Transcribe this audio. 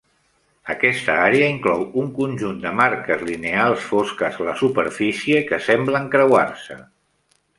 Aquesta àrea inclou un conjunt de marques lineals fosques a la superfície que semblen creuar-se.